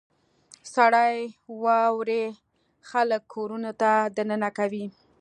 • سړې واورې خلک کورونو ته دننه کوي.